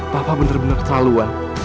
papa bener bener kesaluan